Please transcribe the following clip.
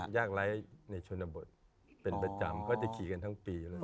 ยากไร้ในชนบทเป็นประจำก็จะขี่กันทั้งปีเลย